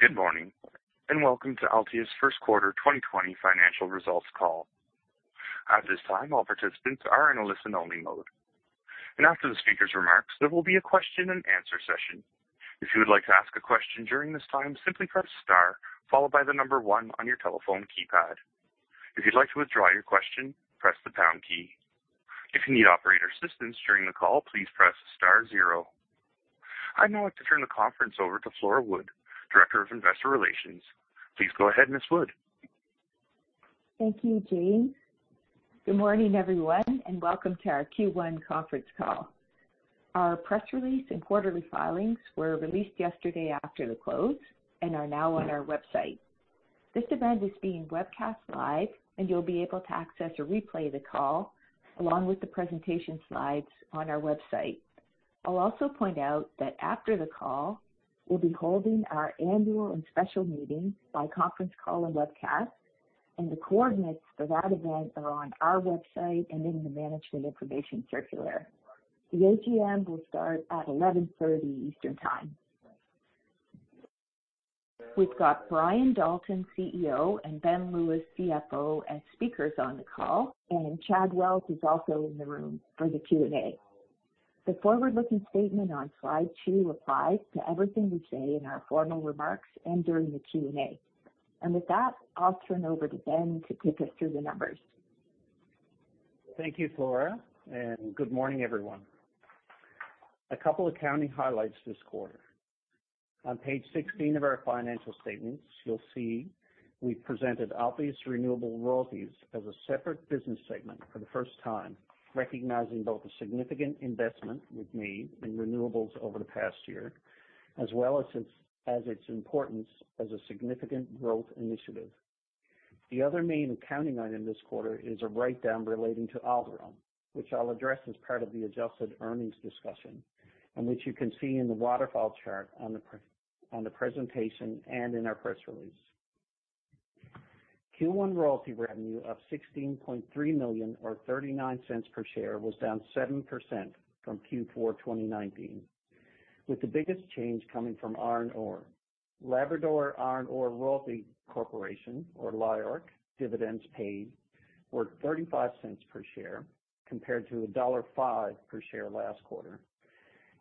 Good morning, and welcome to Altius' first quarter 2020 financial results call. At this time, all participants are in a listen only mode. After the speaker's remarks, there will be a question and answer session. If you would like to ask a question during this time, simply press star, followed by the number one on your telephone keypad. If you'd like to withdraw your question, press the pound key. If you need operator assistance during the call, please press star zero. I'd now like to turn the conference over to Flora Wood, Director of Investor Relations. Please go ahead, Ms. Wood. Thank you, Jane. Good morning, everyone, and welcome to our Q1 conference call. Our press release and quarterly filings were released yesterday after the close and are now on our website. This event is being webcast live, and you'll be able to access a replay of the call along with the presentation slides on our website. I'll also point out that after the call, we'll be holding our annual and special meeting by conference call and webcast, and the coordinates for that event are on our website and in the management information circular. The AGM will start at 11:30 Eastern Time. We've got Brian Dalton, CEO, and Ben Lewis, CFO, as speakers on the call, and Chad Wells is also in the room for the Q&A. The forward-looking statement on slide two applies to everything we say in our formal remarks and during the Q&A. With that, I'll turn over to Ben to take us through the numbers. Thank you, Flora. Good morning, everyone. A couple of accounting highlights this quarter. On page 16 of our financial statements, you'll see we presented Altius Renewable Royalties as a separate business segment for the first time, recognizing both the significant investment we've made in renewables over the past year, as well as its importance as a significant growth initiative. The other main accounting item this quarter is a write-down relating to Alderon, which I'll address as part of the adjusted earnings discussion and which you can see in the waterfall chart on the presentation and in our press release. Q1 royalty revenue of 16.3 million, or 0.39 per share, was down 7% from Q4 2019, with the biggest change coming from iron ore. Labrador Iron Ore Royalty Corporation, or LIORC, dividends paid were 0.35 per share compared to dollar 1.05 per share last quarter.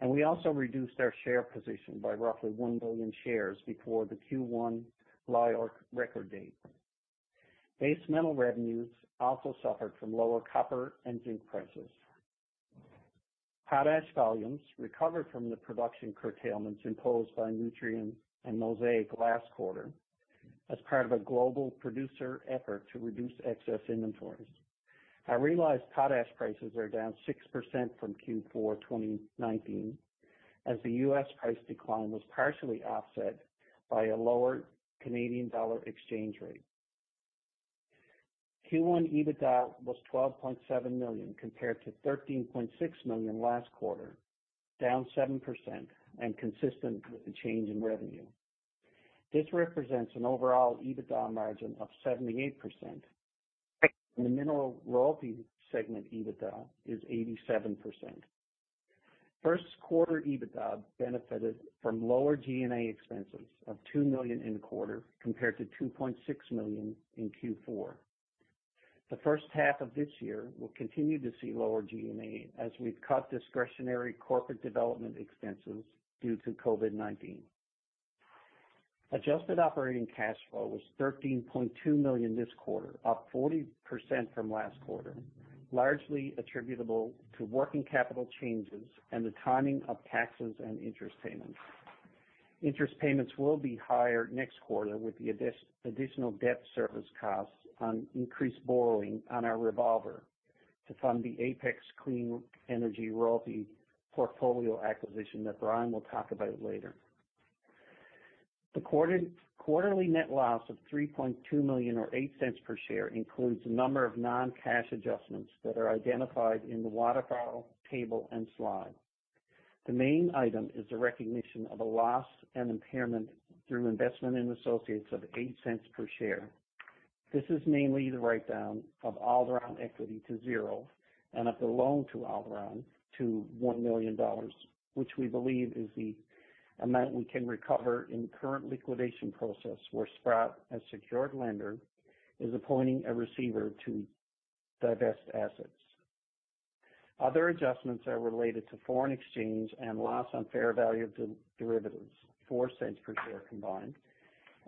We also reduced our share position by roughly 1 million shares before the Q1 LIORC record date. Base metal revenues also suffered from lower copper and zinc prices. Potash volumes recovered from the production curtailments imposed by Nutrien and Mosaic last quarter as part of a global producer effort to reduce excess inventories. Our realized potash prices are down 6% from Q4 2019 as the U.S. price decline was partially offset by a lower Canadian dollar exchange rate. Q1 EBITDA was 12.7 million compared to 13.6 million last quarter, down 7% and consistent with the change in revenue. This represents an overall EBITDA margin of 78%, and the mineral royalty segment EBITDA is 87%. First quarter EBITDA benefited from lower G&A expenses of 2 million in the quarter compared to 2.6 million in Q4. The first half of this year will continue to see lower G&A as we've cut discretionary corporate development expenses due to COVID-19. Adjusted operating cash flow was 13.2 million this quarter, up 40% from last quarter, largely attributable to working capital changes and the timing of taxes and interest payments. Interest payments will be higher next quarter with the additional debt service costs on increased borrowing on our revolver to fund the Apex Clean Energy royalty portfolio acquisition that Brian will talk about later. The quarterly net loss of 3.2 million or 0.08 per share includes a number of non-cash adjustments that are identified in the waterfall table and slide. The main item is the recognition of a loss and impairment through investment in associates of 0.08 per share. This is mainly the write-down of Alderon equity to 0 and of the loan to Alderon to 1 million dollars, which we believe is the amount we can recover in the current liquidation process where Sprott, a secured lender, is appointing a receiver to divest assets. Other adjustments are related to foreign exchange and loss on fair value of derivatives, 0.04 per share combined,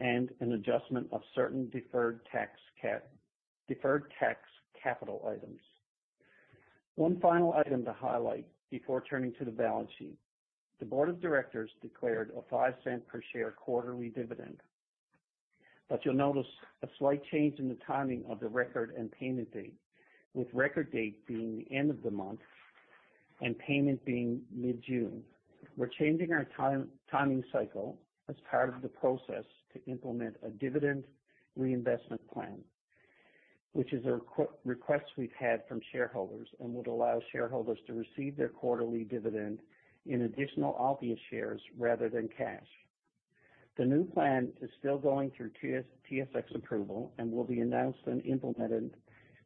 and an adjustment of certain deferred tax capital items. One final item to highlight before turning to the balance sheet. The board of directors declared a 0.05 per share quarterly dividend, but you'll notice a slight change in the timing of the record and payment date, with record date being the end of the month and payment being mid-June. We're changing our timing cycle as part of the process to implement a dividend reinvestment plan, which is a request we've had from shareholders and would allow shareholders to receive their quarterly dividend in additional Altius shares rather than cash. The new plan is still going through TSX approval and will be announced and implemented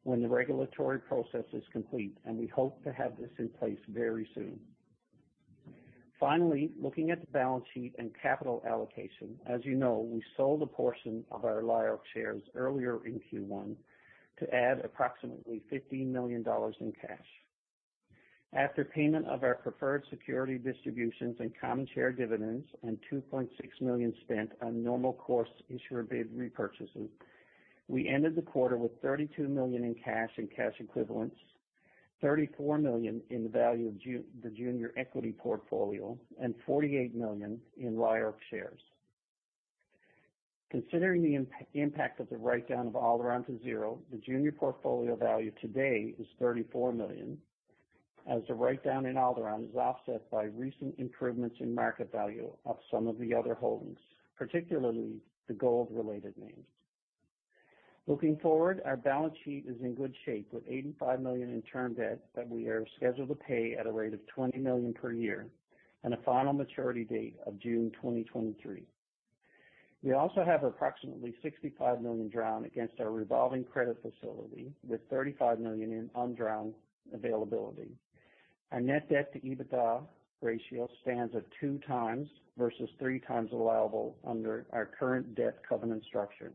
when the regulatory process is complete, and we hope to have this in place very soon. Finally, looking at the balance sheet and capital allocation. As you know, we sold a portion of our LIORC shares earlier in Q1 to add approximately 15 million dollars in cash. After payment of our preferred security distributions and common share dividends and 2.6 million spent on normal course issuer bid repurchases, we ended the quarter with 32 million in cash and cash equivalents, 34 million in the value of the junior equity portfolio, and 48 million in LIORC shares. Considering the impact of the write-down of Alderon to zero, the junior portfolio value today is 34 million, as the write-down in Alderon is offset by recent improvements in market value of some of the other holdings, particularly the gold-related names. Looking forward, our balance sheet is in good shape with 85 million in term debt that we are scheduled to pay at a rate of 20 million per year and a final maturity date of June 2023. We also have approximately 65 million drawn against our revolving credit facility with 35 million in undrawn availability. Our net debt to EBITDA ratio stands at two times versus three times allowable under our current debt covenant structure.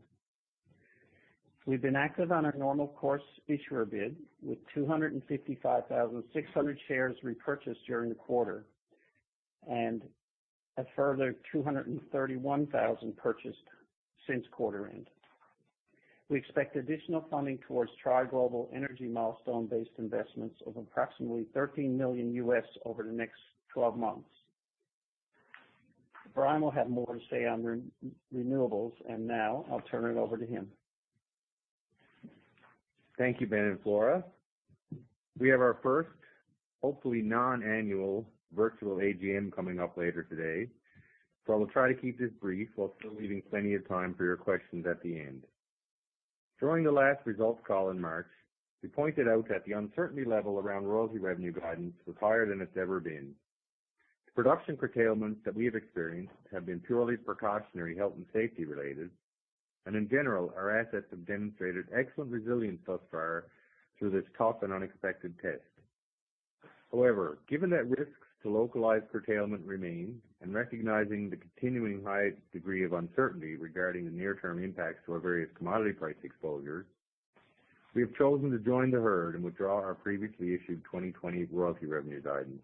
We've been active on our normal course issuer bid with 255,600 shares repurchased during the quarter, and a further 231,000 purchased since quarter end. We expect additional funding towards Tri Global Energy milestone-based investments of approximately $13 million U.S. over the next 12 months. Brian will have more to say on renewables, and now I'll turn it over to him. Thank you, Ben and Flora. We have our first, hopefully non-annual virtual AGM coming up later today, so I will try to keep this brief while still leaving plenty of time for your questions at the end. During the last results call in March, we pointed out that the uncertainty level around royalty revenue guidance was higher than it's ever been. Production curtailments that we have experienced have been purely precautionary health and safety related, and in general, our assets have demonstrated excellent resilience thus far through this tough and unexpected test. However, given that risks to localized curtailment remain, and recognizing the continuing high degree of uncertainty regarding the near-term impacts to our various commodity price exposure, we have chosen to join the herd and withdraw our previously issued 2020 royalty revenue guidance.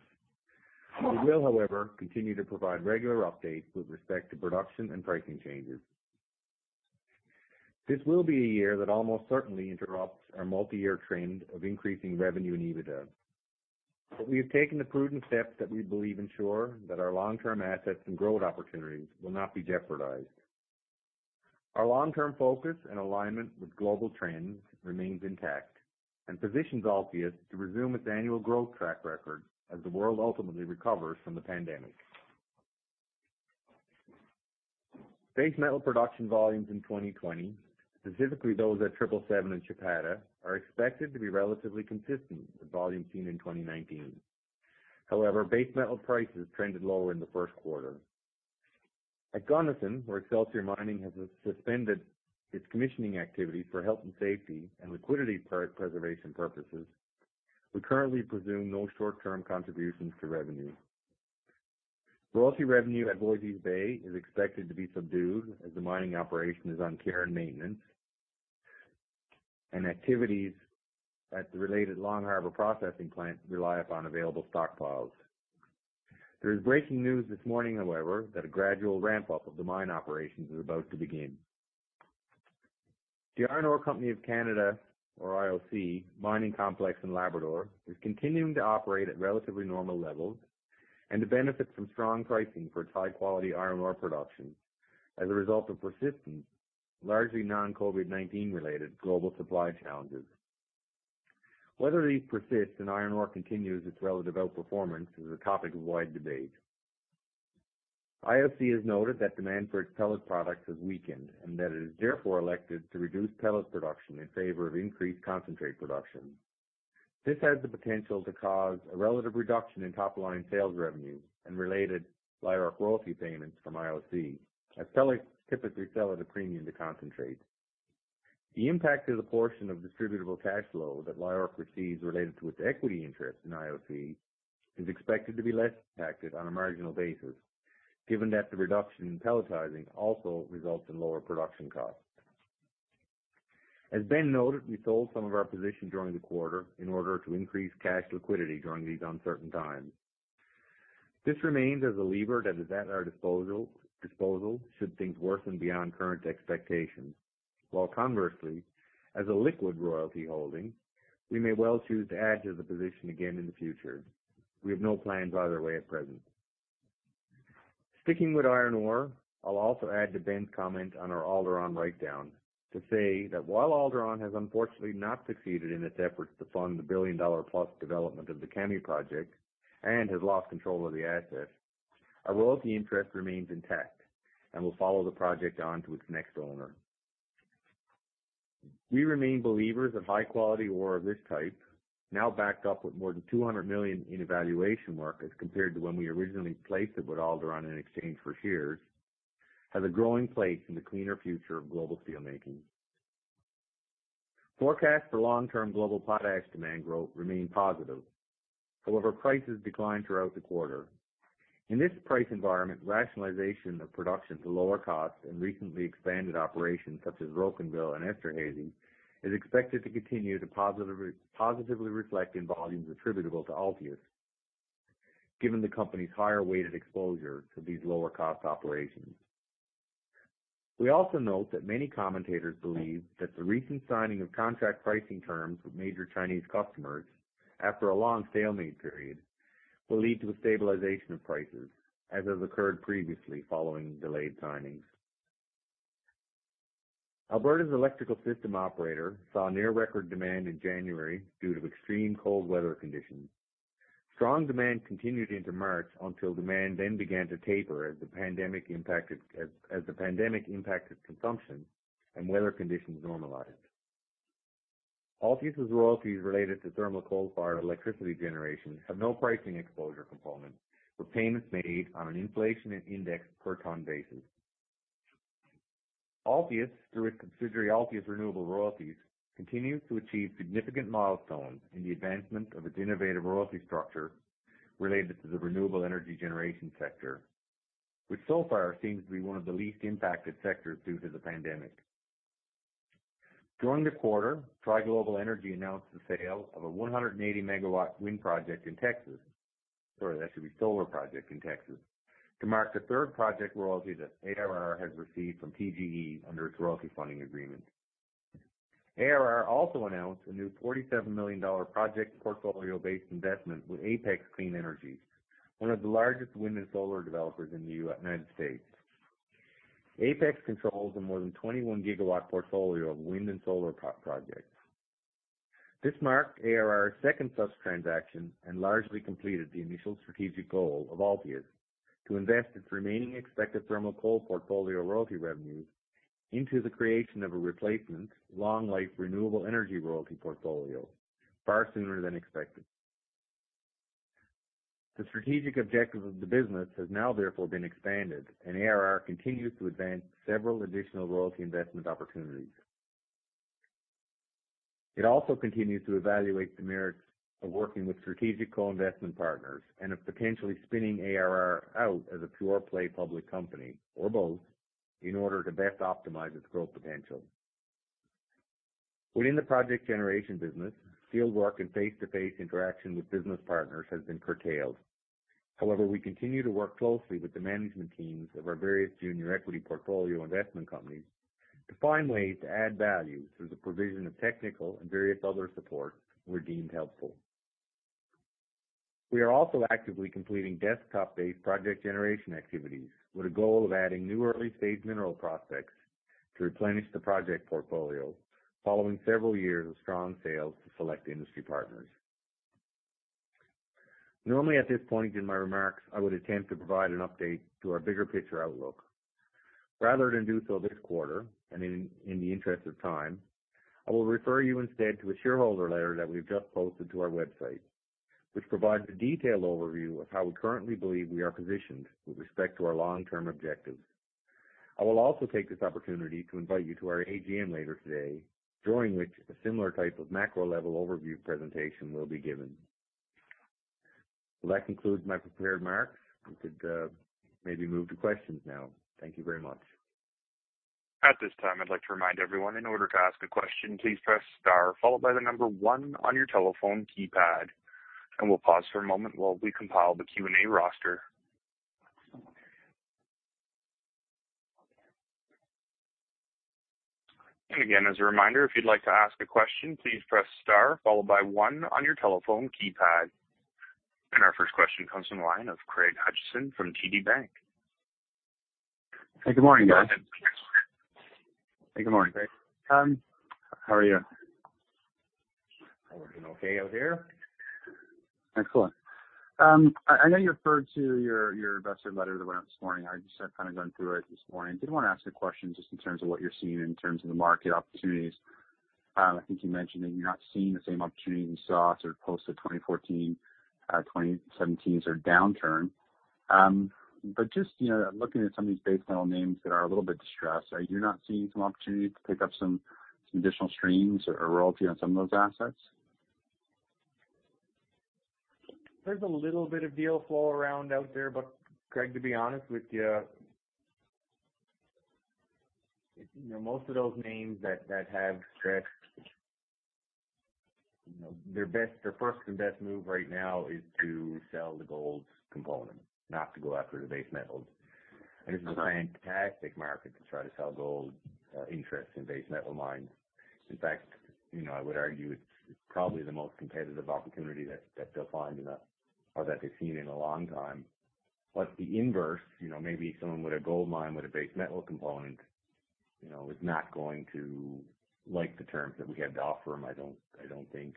We will, however, continue to provide regular updates with respect to production and pricing changes. This will be a year that almost certainly interrupts our multi-year trend of increasing revenue and EBITDA. We have taken the prudent steps that we believe ensure that our long-term assets and growth opportunities will not be jeopardized. Our long-term focus and alignment with global trends remains intact and positions Altius to resume its annual growth track record as the world ultimately recovers from the pandemic. Base metal production volumes in 2020, specifically those at 777 and Chapada, are expected to be relatively consistent with volumes seen in 2019. However, base metal prices trended lower in the first quarter. At Gunnison, where Excelsior Mining has suspended its commissioning activities for health and safety and liquidity preservation purposes, we currently presume no short-term contributions to revenue. Royalty revenue at Voisey's Bay is expected to be subdued as the mining operation is on care and maintenance, and activities at the related Long Harbour processing plant rely upon available stockpiles. There is breaking news this morning, however, that a gradual ramp-up of the mine operations is about to begin. The Iron Ore Company of Canada, or IOC, mining complex in Labrador, is continuing to operate at relatively normal levels and to benefit from strong pricing for its high-quality iron ore production as a result of persistent, largely non-COVID-19 related global supply challenges. Whether these persist and iron ore continues its relative outperformance is a topic of wide debate. IOC has noted that demand for its pellet products has weakened and that it has therefore elected to reduce pellet production in favor of increased concentrate production. This has the potential to cause a relative reduction in top-line sales revenue and related LIORC royalty payments from IOC as pellets typically sell at a premium to concentrate. The impact of the portion of distributable cash flow that LIORC receives related to its equity interest in IOC is expected to be less impacted on a marginal basis, given that the reduction in pelletizing also results in lower production costs. As Ben noted, we sold some of our position during the quarter in order to increase cash liquidity during these uncertain times. This remains as a lever that is at our disposal should things worsen beyond current expectations. Conversely, as a liquid royalty holding, we may well choose to add to the position again in the future. We have no plans either way at present. Sticking with iron ore, I'll also add to Ben's comment on our Alderon write-down to say that while Alderon has unfortunately not succeeded in its efforts to fund the billion-dollar-plus development of the Kami Project and has lost control of the asset, our royalty interest remains intact and will follow the project on to its next owner. We remain believers of high-quality ore of this type, now backed up with more than 200 million in evaluation markets compared to when we originally placed it with Alderon in exchange for shares, has a growing place in the cleaner future of global steel making. Forecast for long-term global potash demand growth remain positive. However, prices declined throughout the quarter. In this price environment, rationalization of production to lower costs and recently expanded operations such as Rocanville and Esterhazy is expected to continue to positively reflect in volumes attributable to Altius, given the company's higher weighted exposure to these lower cost operations. We also note that many commentators believe that the recent signing of contract pricing terms with major Chinese customers after a long stalemate period will lead to a stabilization of prices, as has occurred previously following delayed signings. Alberta's electrical system operator saw near record demand in January due to extreme cold weather conditions. Strong demand continued into March until demand then began to taper as the pandemic impacted consumption and weather conditions normalized. Altius royalties related to thermal coal fire electricity generation have no pricing exposure component, with payments made on an inflation and index per ton basis. Altius, through its subsidiary, Altius Renewable Royalties, continues to achieve significant milestones in the advancement of its innovative royalty structure related to the renewable energy generation sector, which so far seems to be one of the least impacted sectors due to the pandemic. During the quarter, Tri Global Energy announced the sale of a 180-megawatt solar project in Texas, to mark the third project royalty that ARR has received from TGE under its royalty funding agreement. ARR also announced a new 47 million dollar project portfolio-based investment with Apex Clean Energy, one of the largest wind and solar developers in the U.S. Apex controls a more than 21-gigawatt portfolio of wind and solar projects. This marked ARR's second such transaction and largely completed the initial strategic goal of Altius to invest its remaining expected thermal coal portfolio royalty revenues into the creation of a replacement long-life renewable energy royalty portfolio far sooner than expected. The strategic objective of the business has now therefore been expanded, and ARR continues to advance several additional royalty investment opportunities. It also continues to evaluate the merits of working with strategic co-investment partners and of potentially spinning ARR out as a pure play public company, or both, in order to best optimize its growth potential. Within the project generation business, field work and face-to-face interaction with business partners has been curtailed. However, we continue to work closely with the management teams of our various junior equity portfolio investment companies to find ways to add value through the provision of technical and various other support where deemed helpful. We are also actively completing desktop-based project generation activities with a goal of adding new early-stage mineral prospects to replenish the project portfolio following several years of strong sales to select industry partners. Normally at this point in my remarks, I would attempt to provide an update to our bigger picture outlook. Rather than do so this quarter, and in the interest of time, I will refer you instead to a shareholder letter that we've just posted to our website, which provides a detailed overview of how we currently believe we are positioned with respect to our long-term objectives. I will also take this opportunity to invite you to our AGM later today, during which a similar type of macro level overview presentation will be given. Well, that concludes my prepared remarks. We could maybe move to questions now. Thank you very much. At this time, I'd like to remind everyone, in order to ask a question, please press star followed by the number one on your telephone keypad, and we'll pause for a moment while we compile the Q&A roster. Again, as a reminder, if you'd like to ask a question, please press star followed by one on your telephone keypad. Our first question comes from the line of Craig Hutchison from TD Securities. Hey, good morning, guys. Hey, good morning, Craig. How are you? We're doing okay out here. Excellent. I know you referred to your investor letter that went out this morning. I just have kind of gone through it this morning. Did want to ask a question just in terms of what you're seeing in terms of the market opportunities. I think you mentioned that you're not seeing the same opportunities you saw sort of post the 2014, 2017 sort of downturn. Just looking at some of these base metal names that are a little bit distressed, are you not seeing some opportunities to pick up some additional streams or royalty on some of those assets? There's a little bit of deal flow around out there, but Craig, to be honest with you, most of those names that have stretched, their first and best move right now is to sell the gold component, not to go after the base metals. It's a fantastic market to try to sell gold interests in base metal mines. In fact, I would argue it's probably the most competitive opportunity that they'll find or that they've seen in a long time. The inverse, maybe someone with a gold mine with a base metal component is not going to like the terms that we have to offer them, I don't think.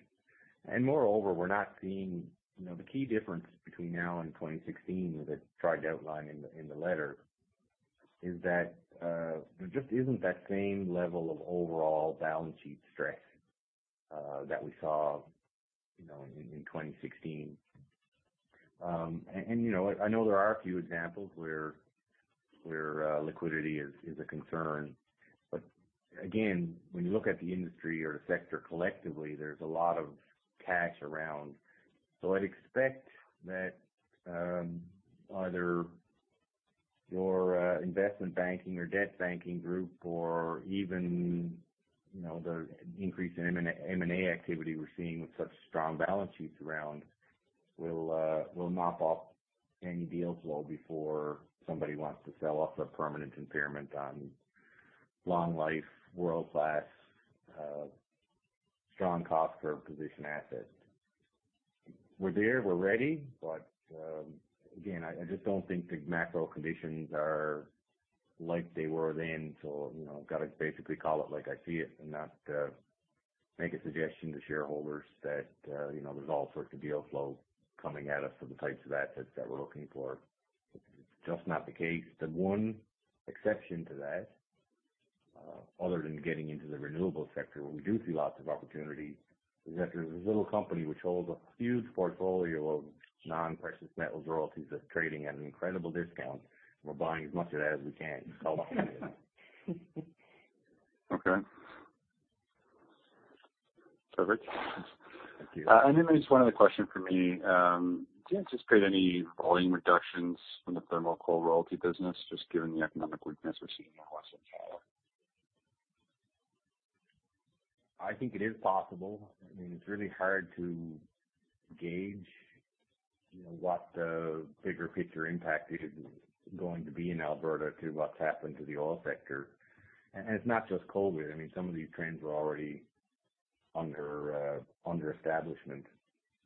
Moreover, the key difference between now and 2016 that I tried to outline in the letter is that there just isn't that same level of overall balance sheet stress that we saw in 2016. I know there are a few examples where liquidity is a concern. Again, when you look at the industry or the sector collectively, there's a lot of cash around. I'd expect that either your investment banking or debt banking group or even the increase in M&A activity we're seeing with such strong balance sheets around will mop up any deal flow before somebody wants to sell off a permanent impairment on long life, world-class, strong cost curve position assets. We're there, we're ready. Again, I just don't think the macro conditions are like they were then. I've got to basically call it like I see it and not make a suggestion to shareholders that there's all sorts of deal flow coming at us for the types of assets that we're looking for. It's just not the case. The one exception to that, other than getting into the renewable sector where we do see lots of opportunities, is that there's this little company which holds a huge portfolio of non-precious metals royalties that's trading at an incredible discount, and we're buying as much of that as we can. It's called Altius. Okay. Perfect. Thank you. There's one other question from me. Do you anticipate any volume reductions from the thermal coal royalty business, just given the economic weakness we're seeing in Western power? I think it is possible. It's really hard to gauge what the bigger picture impact is going to be in Alberta to what's happened to the oil sector. It's not just COVID. Some of these trends were already under establishment.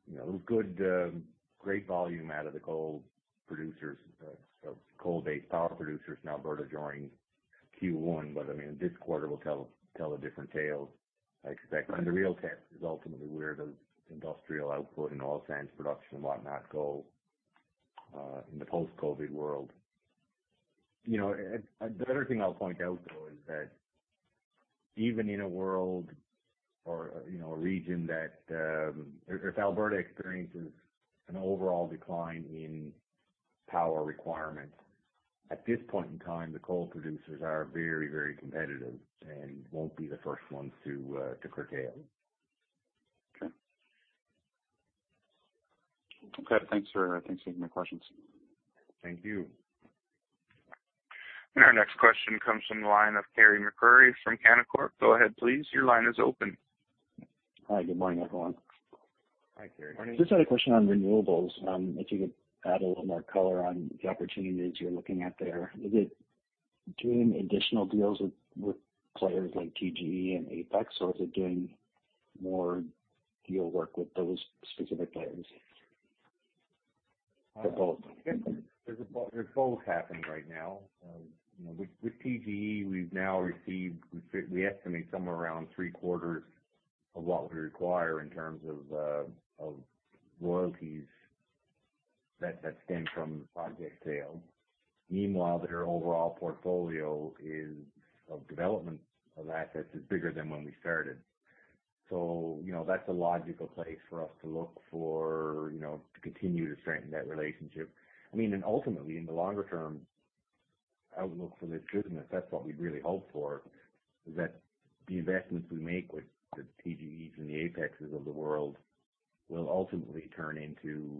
There was great volume out of the coal-based power producers in Alberta during Q1. This quarter will tell a different tale, I expect. The real test is ultimately where does industrial output and oil sands production and whatnot go, in the post-COVID world. The other thing I'll point out, though, is that even in a world or a region that if Alberta experiences an overall decline in power requirements, at this point in time, the coal producers are very competitive and won't be the first ones to curtail. Okay. Thanks. Those are my questions. Thank you. Our next question comes from the line of Carey MacRury from Canaccord. Go ahead, please. Your line is open. Hi, good morning, everyone. Hi, Carey. Just had a question on renewables. If you could add a little more color on the opportunities you're looking at there. Is it doing additional deals with players like TGE and Apex, or is it doing more deal work with those specific players? Or both? There's both happening right now. With TGE, we estimate somewhere around three-quarters of what we require in terms of royalties that stem from the project sale. Meanwhile, their overall portfolio of development of assets is bigger than when we started. That's a logical place for us to look for to continue to strengthen that relationship. Ultimately, in the longer term outlook for this business, that's what we'd really hope for, is that the investments we make with the TGEs and the Apexes of the world will ultimately turn into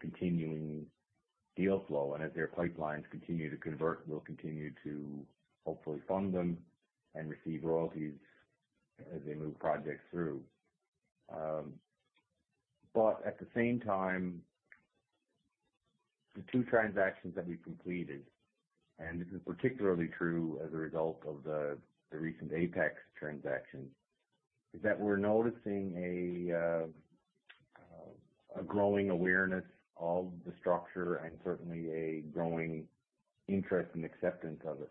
continuing deal flow. As their pipelines continue to convert, we'll continue to hopefully fund them and receive royalties as they move projects through. At the same time, the two transactions that we've completed, and this is particularly true as a result of the recent Apex transaction, is that we're noticing a growing awareness of the structure and certainly a growing interest and acceptance of it.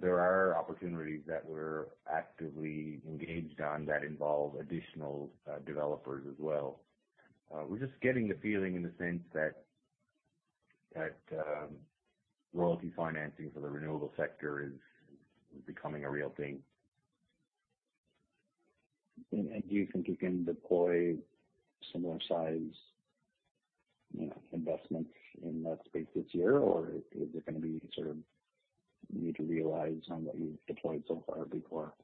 There are opportunities that we're actively engaged on that involve additional developers as well. We're just getting the feeling in the sense that royalty financing for the renewable sector is becoming a real thing. Do you think you can deploy similar size investments in that space this year? Or is it going to be sort of you need to realize on what you've deployed so far before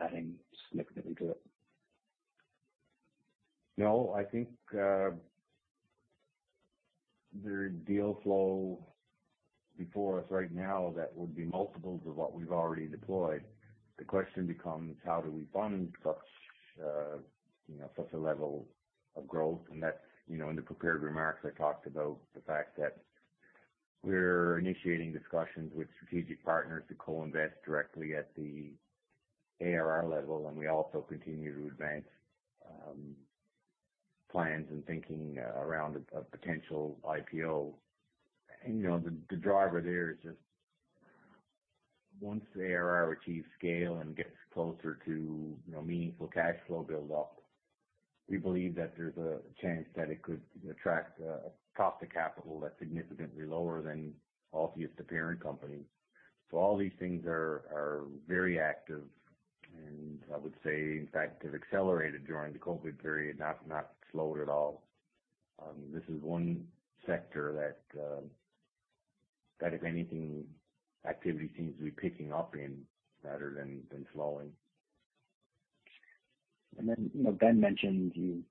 adding significantly to it? No, I think there is deal flow before us right now that would be multiples of what we've already deployed. The question becomes, how do we fund such a level of growth? In the prepared remarks, I talked about the fact that we're initiating discussions with strategic partners to co-invest directly at the ARR level, and we also continue to advance plans and thinking around a potential IPO. The driver there is just once the ARR achieves scale and gets closer to meaningful cash flow build up, we believe that there's a chance that it could attract a cost of capital that's significantly lower than Altius, the parent company. All these things are very active. I would say, in fact, has accelerated during the COVID period, not slowed at all. This is one sector that, if anything, activity seems to be picking up in rather than slowing. Ben mentioned you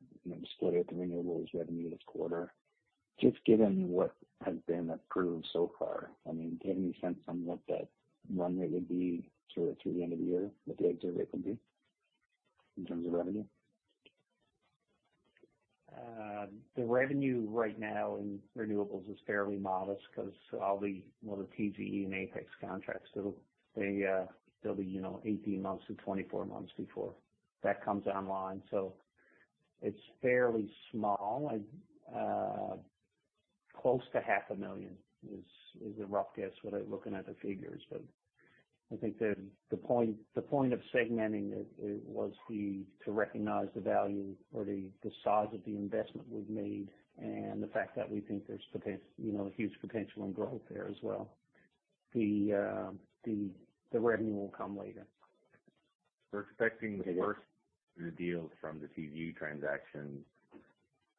split out the renewables revenue this quarter. Just given what has been approved so far, do you have any sense on what that run rate would be through the end of the year? What the exit rate will be in terms of revenue? The revenue right now in renewables is fairly modest because all the TGE and Apex contracts, they'll be 18 months to 24 months before that comes online. It's fairly small. Close to half a million is a rough guess without looking at the figures. I think the point of segmenting it was to recognize the value or the size of the investment we've made and the fact that we think there's huge potential and growth there as well. The revenue will come later. We're expecting the first of the deals from the TGE transaction,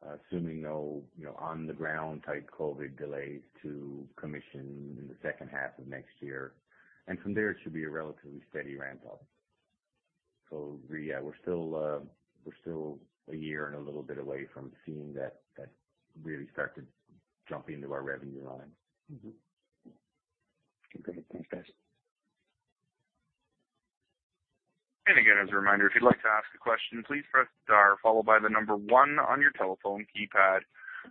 assuming no on-the-ground type COVID delays to commission in the second half of next year. From there, it should be a relatively steady ramp-up. We're still a year and a little bit away from seeing that really start to jump into our revenue line. Okay, great. Thanks, guys. Again, as a reminder, if you'd like to ask a question, please press star followed by the number one on your telephone keypad.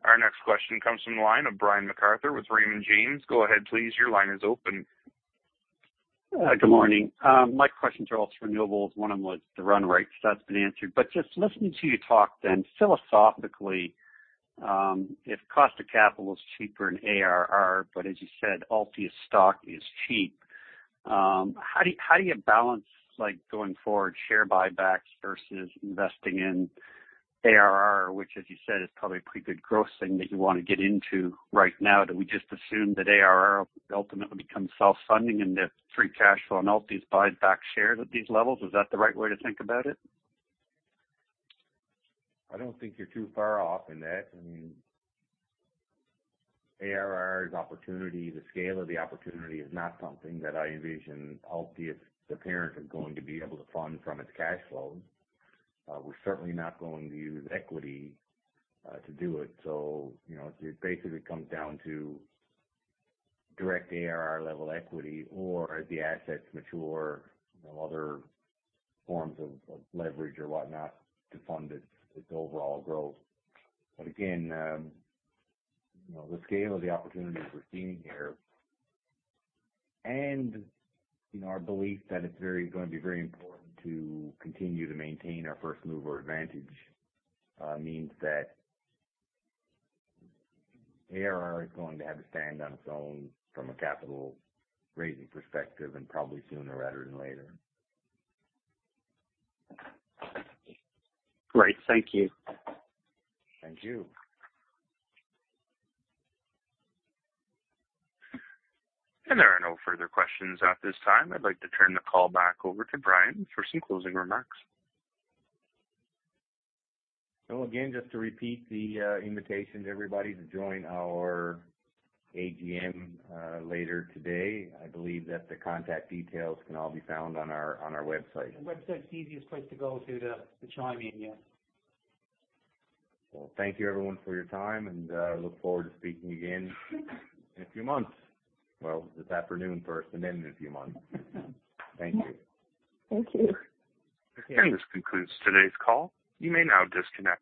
Our next question comes from the line of Brian MacArthur with Raymond James. Go ahead, please. Your line is open. Good morning. My questions are also renewables. One of them was the run rate, so that's been answered. Just listening to you talk then, philosophically, if cost of capital is cheaper in ARR, but as you said, Altius stock is cheap. How do you balance going forward share buybacks versus investing in ARR, which, as you said, is probably a pretty good growth thing that you want to get into right now? Do we just assume that ARR will ultimately become self-funding and if free cash flow on Altius buy back shares at these levels? Is that the right way to think about it? I don't think you're too far off in that. ARR's opportunity, the scale of the opportunity is not something that I envision Altius, the parent, is going to be able to fund from its cash flows. We're certainly not going to use equity to do it. It basically comes down to direct ARR-level equity or as it mature other forms of leverage or whatnot to fund its overall growth. Again, the scale of the opportunities we're seeing here and our belief that it's going to be very important to continue to maintain our first-mover advantage means that ARR is going to have to stand on its own from a capital-raising perspective and probably sooner rather than later. Great. Thank you. Thank you. There are no further questions at this time. I'd like to turn the call back over to Brian for some closing remarks. Again, just to repeat the invitation to everybody to join our AGM later today. I believe that the contact details can all be found on our website. The website's the easiest place to go to chime in, yeah. Well, thank you everyone for your time, and I look forward to speaking again in a few months. Well, this afternoon first and then in a few months. Thank you. Thank you. This concludes today's call. You may now disconnect.